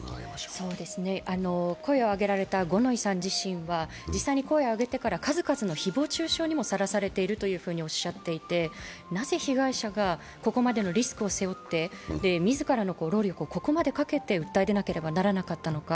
声を上げられた方自身は、実際に声を上げてから数々の誹謗中傷にもさらされているといっていてなぜ被害者がここまでのリスクを背負って自らの労力をここまでかけて訴え出なければならなかったのか。